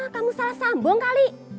kamu salah sambung kali